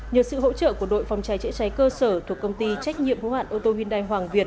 nhờ sự hỗ trợ của đội phòng cháy chữa cháy cơ sở thuộc công ty trách nhiệm hữu hạn ô tô hyundai hoàng việt